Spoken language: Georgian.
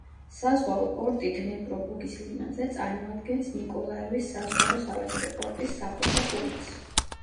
საზღვაო პორტი დნეპრო-ბუგის ლიმანზე, წარმოადგენს ნიკოლაევის საზღვაო სავაჭრო პორტის საპორტო პუნქტს.